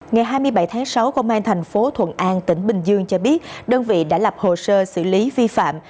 ngày hai mươi bảy tháng sáu công an thành phố thuận an tỉnh bình dương cho biết đơn vị đã lập hồ sơ xử lý vi phạm